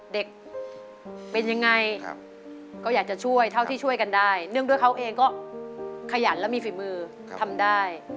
เด็กเป็นยังไงก็อยากจะช่วยเท่าที่ช่วยกันได้เนื่องด้วยเขาเองก็ขยันและมีฝีมือทำได้